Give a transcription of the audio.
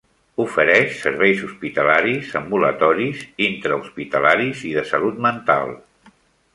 Ofereix serveis hospitalaris, ambulatoris, intrahospitalaris i de salut mental.